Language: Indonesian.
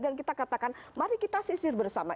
dan kita katakan mari kita sisir bersama